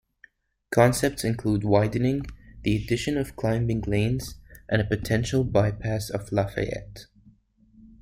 Concepts include widening, the addition of climbing lanes, and a potential bypass of Lafayette.